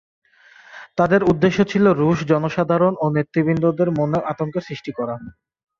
তাদের উদ্দেশ্য ছিল রুশ জনসাধারণ ও নেতৃবৃন্দের মনে আতঙ্কের সৃষ্টি করা।